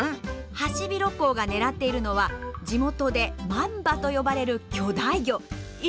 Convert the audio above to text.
ハシビロコウが狙っているのは地元で「マンバ」と呼ばれる巨大魚。